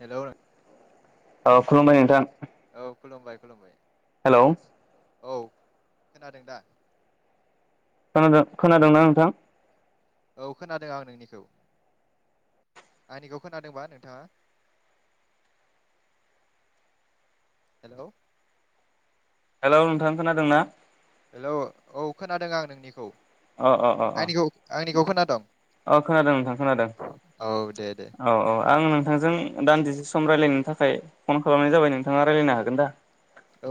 हेल' औ खुलुमबाय नोंथां। औ खुलुमबाय खुलुमबाय। हेलौ औ खोनादों दा। खोनादोंना नोंथां? औ खोनादों आं नोंनिखौ आंनिखौ खोनादोंबा नोंथाङा हेलौ हेलौ नोंथां खोनादों ना हेलौ औ खोनादों आं नोंनिखौ अ आंनिखौ आंनिखौ खोनादं औ खोनादों नोंथां खोनादों दे दे औ औ आं नोंथांजों दान्दिसे सम सम रायलायनो थाखाय फन खालामनाय जाबाय नोंथाङा रायज्लायनो हागोन दा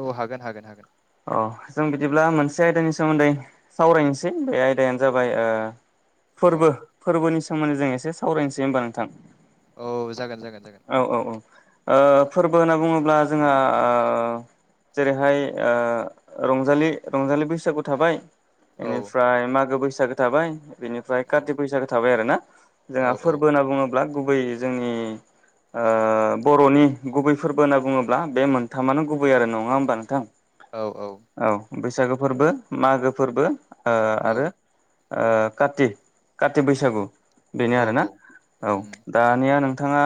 औ हागोन हागोन हागोन औ जों बिदिब्ला मोनसे आयदानि सोमोन्दै सावरायनोसै बे आयदायानो जाबाय ओ औ फोरबो फोरबोनि सोमोन्दै जों एसे सावरायनोसै होमबा नोंथां औ जागोन जागोन जागोन औ ओ फोरबो होनना बुङोब्ला जोंहा ओ जेरैहाय ओ रंजालि रंजालि बैसागु थाबाय औ बेनिफ्राय मागो बैस सागो थाबाय बिनिफ्राय औ काति बैसागो थाबाय आरो ना जोंहा औ औ औ फोरबो होनना बुङो ब्ला गुबै जोंनि ओ बर'नि गुबै फोरबो होनना बुङोब्ला बे मोनथामानो गुबै आरो नङा होमबा नोंथां औ औ बैसागो फोरबो मागो फोरबो ओ औ आरो ओ काति काति बैसागु बेनो औ आरोना औ औ उम दानिया नों नोंथाङा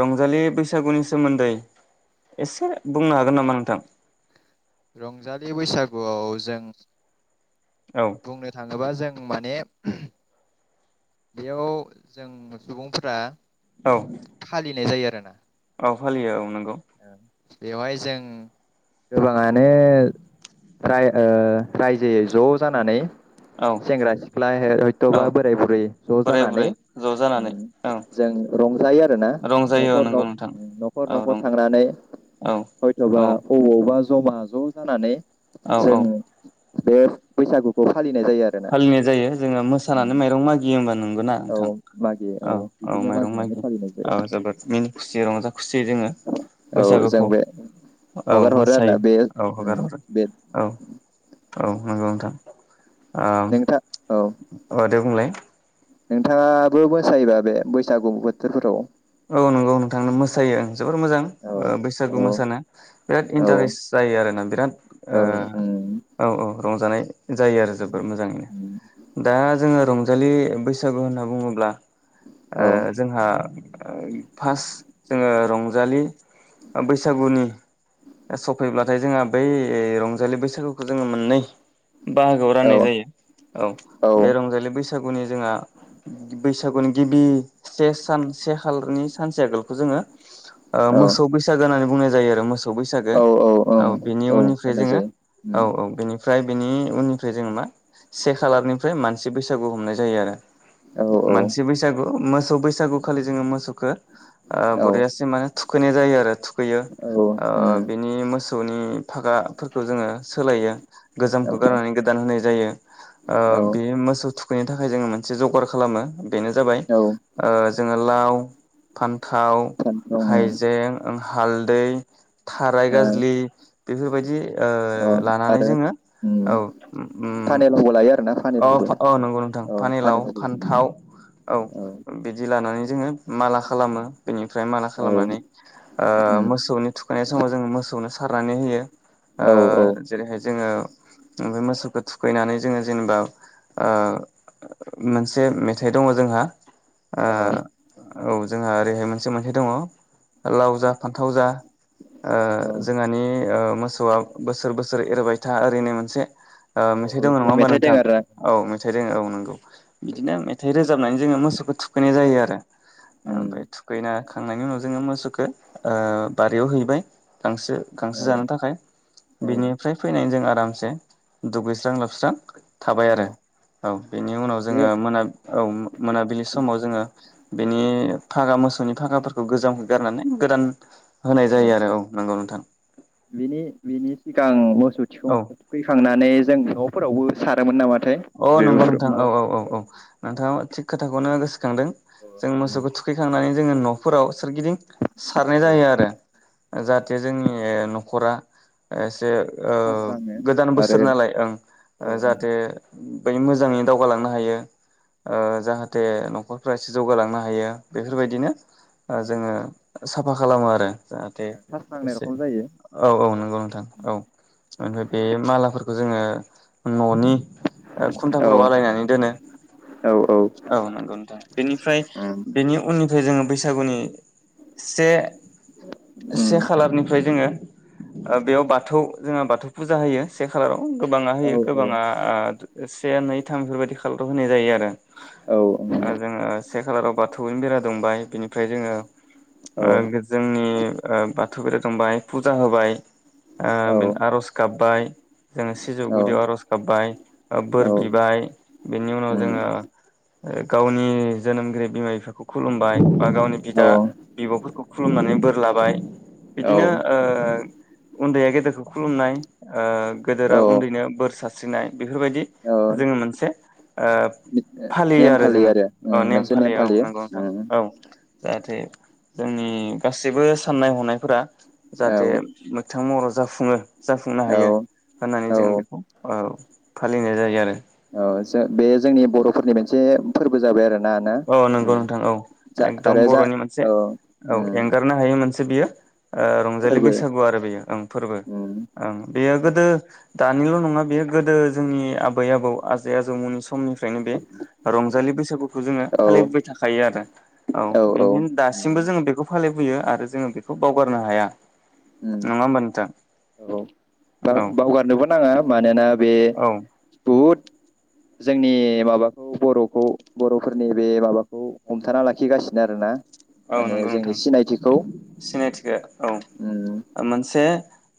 रंजालि बैसागुनि सोमोन्दै एसे बुंनो हागोन नामा नोंथां रंजालि बैसागुआव जों औ बुंनो थाङोबा जों माने बेयाव जों सुबुंफोरा औ फालिनाय जायो दोना औ फालियो औ नंगौ बेवहाय जों गोबाङानो राय ओ रायजोयै ज' जानानै औ सेंग्रा सिख्ला औ हयथ'बा बोराय बुरै ज' बोराय जानानै बुरै ज' जानानै औ जों रंजायो आरो ना रंजायो औ न'खर नंगौ न नोंथां उम न'खर औ न'खर रं थांनानै औ हयथ'बा औ अबावबा ज'मा ज' जानानै औ औ जोङो बे बैसागुखौ फालि फालिनाय जायो जोङो मोसानानै माइरं मागियो होमबा नों गोना औ नोंथां मागियो औ औ बिदिनो माइरं मागिनानै माइदिं फालिनाय औ जोबोद मिनि खुसिै रंजा खुसिय जोङो जायो औ जों बैसागुखौ बे औ हगार हरो मोसायो आरोना बे औ हगार उम हरो बे औ औ नंगौ नोंथां आ नोंथां औ अ दे बुंलाय नोंथाङाबो मोसायोबा बे बैसागु बोथोरफोराव औ नंगौ नोंथांनो मोसायो ओं जोबोर मोजां औ बैसागु औ मोसानो बिराद औ इन्टारेस्ट जायो आरोना बिराद औ उम ओ औ औ रंजानाय जायो आरो जोबोर उम मोजाङैनो दा जोङो रंजालि बैसागु होनना बुङोब्ला ओ औ जोंहा ओ फार्स्ट जोङो रंजालि बैसागुनि सफैब्लाथाय जोंहा बै रंजालि बैसागुखौ जोङो मोननै बाहागोआव औ राननाय जायो औ बे रंजालि बैस सागुनि जोंहा बैसागुनि गिबि से सान से खालारनि सानसे आगोलखौ जोङो ओ औ मोसौ बैसागो होननानै बुंनाय जा यो आरो मोसौ बैसागो औ औ ओं बेनि औ उननिफ्राय होननाय जोङो जायो औ उम औ बेनिफ्राय बेनि उननिफ्राय जोङो मा से खालारनिफ्राय मानसि बैसागु हमनाय जायो आरो औ मानसि औ बैसागु मो सौ बैसागु खालि जोङो मोसौखो आ औ बरियासि मा थुखैनाय जायो आरो थु खैयो औ ओ उम बेनि मोस सौ नि फागाफोरखौ जोङो सोलायो गोजामखौ औ गारनानै गोदान होनाय जायो ओ औ बेयो मोसौ थुखैनो थाखै जोङो मोनसे जगार खालामो बेनो जाबाय औ ओ लाव फान थाव फान्थाव उम हाइजें ओ हालदै थाराय ओ गाजलि बेफोरबायदि ओ अ लानानै आरो जोङो उम औ पानेलावबो लायो आरोना औ पानेलावबो औ नंगौ नोंथां औ पानिलाव पानेलावबो उम फान्थाव औ बिदि लानानै। जोङो माला खालामो बेनि फ्राय माला औ खालामनानै उम मोसौनि [unintelligible] समाव जोङो मोसौनो सारनानै होयो। औ औ जेरैहाय जोङो। ओमफ्राय मोसौखौ थुखैनानै जोङो जेनेबा। मोनसे मेथाइ दङ जोंहा [unintelligible] अ औ जोंहा ओरैहाय मोनसे मेथाइ दङ लाव जा फान्थाव जा। औ जोंहानि मोसौआ बोसोर बोसोर एरबाय था ओरै होननाय मोनसे औ मेथाइ दङ बिदि नङा होमबा मेथाइ दं नोंथां। आरोना औ मेथाइ दों औ नंगौ। बिदिनो मेथाइ रोजाबनानै जोङो मोसौखौ थुखैनाय जायो आरो उम ओमफ्राय थुखैना खांनायनि उनाव जोङो मोसौखौ बारियाव हैबाय। गांसो औ गांसो जानो थाखाय औ बिनिफ्राय फैनायनि जों आरो आरामसे दुगैस्रां लोबस्रां थाबाय औ आरो औ बेनि उनाव बे जोङो मोना औ मोनाबिलि समाव जोङो बेनि फागा मोसौ। नि फागाफोरखौ गोजामखौ गारनानै गोदान होनाय जायो आरो औ नंगौ नोंथां। बिनि [unintelligible] [unintelligible] औ थुखैखांनानै। जों न'फोरावबो सारोमोन नामा? अ नंगौ नोंथां औ औ औ औ नोंथाङा थिग खोथाखौनो गोसो खांदों जों मोसौखौ थुखैखांनानै। जोङो न'फोराव सोरगिदिं सारनाय औ जायो आरो औ जाहाथे जोंनि न'खरा एसे सास्राङो गोदान आरो बोसोर नालाय ओं औ जाहाथे बे मोजाङै दावगालांनो हायो औ जाहाथे न'खरफ्रा एसे जौगालांनो हायो। बेफोर बायदिनो जोङो साफा खालामो आरो जाहाथे सास्रांनाय एसे रखम जायो औ औ नंगौ नोंथां औ ओमफ्राय बे मालाफोर बखौ जोङो न'नि ओ खुन्थाफोराव औ आलायनानै दोनो औ नंगौ नोंथां बेनिफ्राय उम बेनि उननिफ्राय जोङो बैसागुनि से से उम खालारनिफ्राय जोङो ओ बेयाव बाथौ जोङो बाथौ फुजा होयो से खालाराव गोबाङा होयो औ औ गोबाङा ओ से नै थाम बेफोरबायदि खालाराव होनाय जायो आरो औ उम ओ जोङो से खालाराव बाथौनो बेरा दुमबाय बिनि ओमफ्राय जोङो औ ओ जोंनि ओ बाथौ दुमबाय फुजा होबाय ओ औ बे आर'ज गाबबाय जोङो सिजौ गुदियाव आर'ज गाबबाय ओ बोर उम बिबाय बिनि उनाव जोङो ओ गावनि जोनोमगिरि बिमा बिफाखौ खुलुमबाय बा गावनि औ बिदा बिब'फोरखौ खुलुमनानै बोर लाबाय औ बिदिनो ओ उन्दैया गेदेरखौ खुलुमनाय ओ गोदोरा औ उन्दैनो बोर सा स्रिनाइ बेफोरबायदि औ जोङो मोनसे ओ फालियो आरो जोङो औ नेम फालियो औ नंगौ नोंथां औ जाहाथे जोंनि गासैबो साननाय हनायफोरा जाहाथे औ मोगथां महर जाफुङो जाफुंनो हायो औ होननानै औ जों बेखौ औ फालिनाय जायो आरो औ जो बे जोंनि बर'फोरनि मोनसे फोरबो जाबाय आरो औ नंगौ नोंथां औ एकदम आरो जा बर'नि मोनसे औ औ उम एंगारनो हायि मोनस से बियो ओ रंजालि फोरबो बैसागु आरो बेयो ओं फोरबो उम ओं बेयो गोदो दानिल' नङा बेयो गोदो जोंनि आबै आबौ आजै आजौमोननि समनिफ्रायनो बे रंजालि बैसागु औ फालिबोबाय थाखायो आरो औ बेदिनो दासिमबो जोङो बेखौ फालि लुबैयो आरो जोङो बेखौ बावगारनो हाया उम नङा होमबा नोंथां औ बाव औ बावगारनोबो नाङा मानोना बे औ बहुद जोंनि माबाखौ बर'खौ बर'फोरनि बे माबाखौ हमथाना लाखिगासिनो आरोना औ माने नंगौ जोंनि नोंथां सिनायथिखौ सिनायथिखौ उम औ मोनसे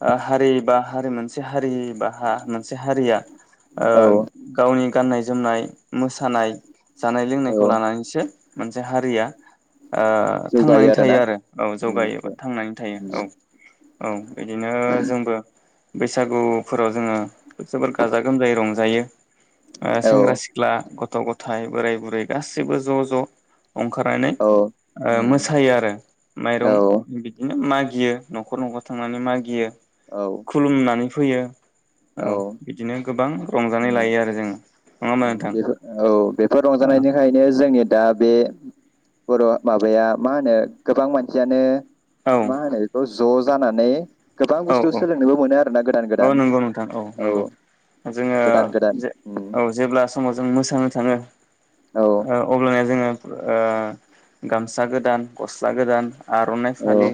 ओ हारि बा हारि मोनसे हारि बा मोनसे हारिया ओ औ गावनि गाननाय जोमनाय मोसानाय जानाय लोंनायखौ औ लानानैसो मोनसे हारिया ओ जौगायो थांनानै थायो आरोना आरो औ उम जौगायोबो थांनानै थायो उम औ औ बिदिनो जोंबो बैसागुफोराव जोङो जोबोर गाजा गोमजायै रंजायो औ सेंग्रा सिख्ला ग थ' गथाय बोराय बुरै गासिबो ज' ज' ओंखारनानै औ ओ उम मोसायो आरो माइरं औ बिदिनो मागियो न'खर न'खर थांनानै मागियो औ खुलुमनानै फैयो औ बिदिनो गोबां रंजानाय उम लायो आरो जों बेफोर औ बेफोर औ रंजानायनिखायनो जोंनि दा बे बर' माबाया मा होनो गोबां मानसियानो मा होनो बेखौ ज' जानानै गोबां औ बुस्थु औ सोलोंनोबो मोनो आरोना गोदान औ गोदान नंगौ नोंथां औ नंगौ जोङो गोदान गोदान उम औ जेब्ला समाव जों मोसानो थाङो औ ओ अब्लानिया जोङो ओ गामसा गोदान गस्ला गोदान आर'नाइ औ फालि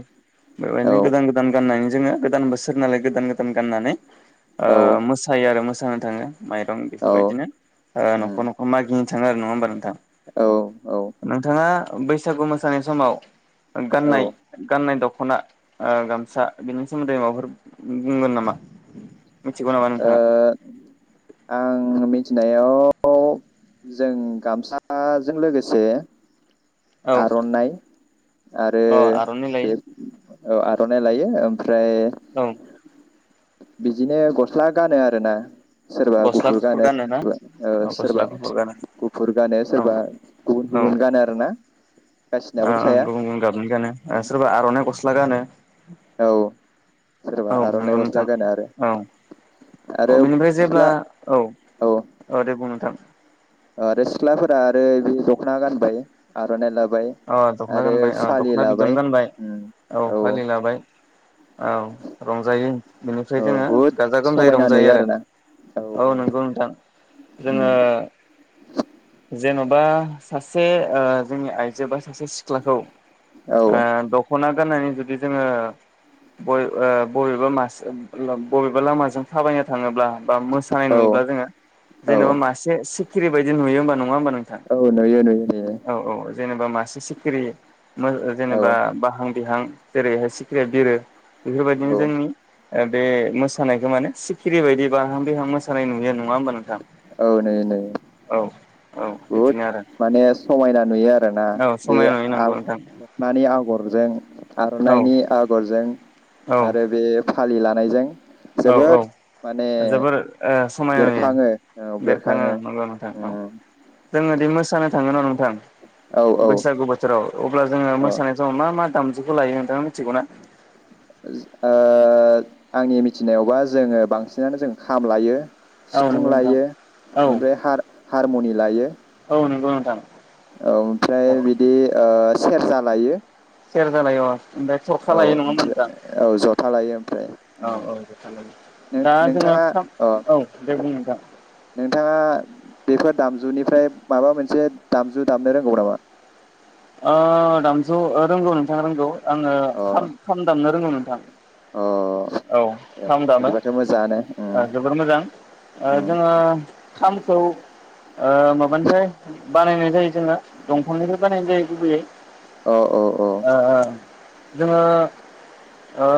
बेबायदिनो गोदान औ गोदान गाननानै जोङो गोदान बोसोर नालाय गोदान गोदान गाननानै ओ औ मोसायो आरो मोस [unintelligible] थाङो माइरं औ बेफोरबायदिनो ओ उम न'खर न'खर मागिनो थाङो आरो नङा होमबा नोंथां औ औ नोंथाङा बैसागु मोसानाय समाव औ गाननाय ओ गाननाय द ख'ना ओ गामसा बिनि सोमोनदै माबाफोर बुंगोन नामा? मिथिगौ नामा नोंथाङा? थिनायाव जों गामसाजों लोगोसे औ आर'नाइ आरो अ आर'नाइ बे लायो औ आर'नाइ लायो ओम फ्राय औ बिजिनो गस स्ला गानो आरो ना सोरबा गुफुर गानो ओ औ गस्ला सोरबा गुफुर गानो गुफुर गानो औ सोरबा गुबुन औ गुबुन गानो आरो ना ओ ओं गुबुन गुबुन गाबनि गानो सोरबा आर'नाइ गस स्ला गानो औ सोरबा औ आर'नाइ नंगौ गस्ला नोंथां गानो आरो औ आरो औ बेनिफ्राय जेब्ला सिख्ला औ औ औ दे बुं थां आरो सिख्लाफोरा आरो दख'ना गानबाय आर' नाय लाबा अ दखना गानबाय अ दखना बिदन गानबाय उम औ फालि लाबाय औ रंजायो बेनिफ्राय औ जोङो बहुद गाजा-गोमजायै समायना रंजायो नुयो आरो आरोना औ नंगौ नोंथां जोङो उम जेन'ब बा सासे ओ जोंनि आइ जोबा सासे सिख्लाखौ औ आ दख'ना गाननानै जुदि जोङो [unintelligible] ओ बबेबा मास बबेबा लामाजों थाबायनो थाङोब्ला बा मोसानाय औ नुयोब्लाा जोङो औ जेनेबा मासे सि खिरिबायदि नुयो होमबा नङा होमबा नों औ नुयो नुयो नुयो जेनेबा मासे सिखिरि जेनेबा औ बाहां बिहां जेरैहाय सिखिरिया बिरो बेफोरबायदिनो औ जोंनि ओ बे मोसानायखौ माने सिखिरि बायदि बाहां बिहां मोसानाय नुयो नङा होमबा नों औ नो नों औ बुहुद बिदिनो आरो माने समायना नुयो आरो। दा औ बे समायना नुयो नंगौ आं नोंथां मानि आगरजों औ आर'नाइनि आगरजों औ आरो बे फालि लानायजों औ जोबोद माने औ जोबोर ओ समायना बेरखाङो औ नुयो बेरखाङो नंगौ नोंथां औ उम जों हादि मोसानो थाङो ना नों थां औ औ बैसागु बोथोराव अब्ला जोङो ओ मोसानाय समाव मा मा दामजुखौ लायो नोंथाङा मिथिगौ ना? ओ आंनि मिथिनायावबा जोङो बांसिनानो जों खाम लायो। औ सिफुं नंगौ नोंथां लायो औ ओमफ्राय हार हारमुनि लायो। थां औ ओमफ्राय बिदि आ सेरजा लायो। सेरजा लायो अ। ओमफ्राय थरखा औ लायो नङा होमबा नोंथां ओमफ्राय औ जथा लायो ओमफ्राय औ औ जथा लायो दा जोङो नोंथाङा खाम औ दे बुं नोंथां नोंथाङा बेफोर दामजुनिफ्राय माबा मोनसे दामजु दामनो रोंगौ नामा? ओ दामजु रोंगौ नोंथाङा रोंगौ। आङो अ खाम खाम दामनो रोंगौ नों थां अ औ दे खाम दामो बिदिबाथ' मोजाङानो उम जोबोर मोजां उम जोङो खामखौ ओ माबानिफ्राय बानायनाय जायो जोंना दंफांनिफ्राय बा गुबैयै औ औ औ ओ जोङो ओ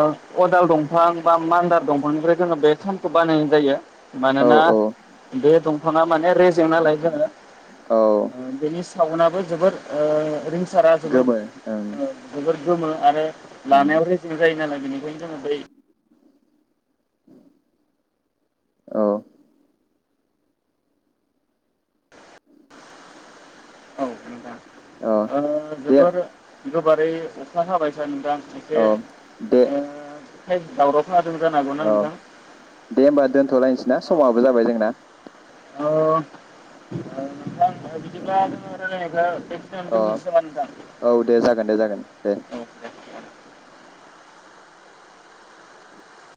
अदाल दंफां बा मान्दार दंफांनिफ्राय जोङो बे खामखौ बानायनाय जायो। औ मानोना औ बेे दं फाङा माने रेजेंनालाय जोङो औ आ बेनि सावोनाबो जोबोद आ रिं सारा जोबोर गोमो ओं आ जोबोर गोमो आरो उम लानायाव रेजें जायो नालाय बेनि [unintelligible] औ। औ। औ ओ दे जोबोर गोबारै अखा हाबाय सो नोंथां। एसे औ दे ओह हैद दावराव। खोनादों जानो हागौना औ नोंथां दे होमबा दोनथ'लायनोसै ना समाबो जाबाय जोंना। औ औ। नोंथां बिदिब्ला जोङो रायलायनायखौ बेखिनायावना अ दोनथ'नोसै नामा नोंथां औ दे जागोन दे जागोन दे औ।